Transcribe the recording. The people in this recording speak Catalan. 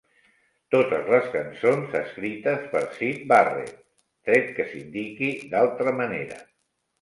Totes les cançons escrites per Syd Barrett, tret que s'indiqui d'altra manera.